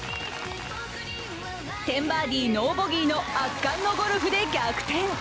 １０バーディー・ノーボギーの圧巻のゴルフで逆転。